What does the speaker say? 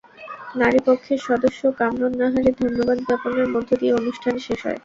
নারীপক্ষের সদস্য কামরুন নাহারের ধন্যবাদ জ্ঞাপনের মধ্য দিয়ে অনুষ্ঠান শেষ হয়।